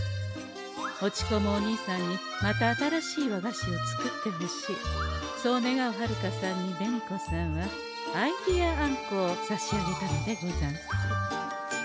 落ちこむお兄さんにまた新しい和菓子を作ってほしいそう願うはるかさんに紅子さんは「アイディアあんこ」を差し上げたのでござんす。